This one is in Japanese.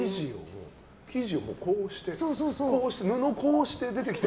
生地をこうして布をこうして出てきて。